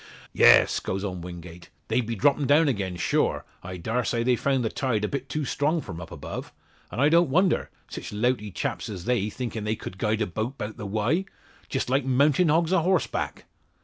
"Yes," goes on Wingate, "they be droppin' down again sure; I dar' say, they've found the tide a bit too strong for 'em up above. An' I don't wonder; sich louty chaps as they thinkin' they cud guide a boat 'bout the Wye! Jist like mountin' hogs a horseback!"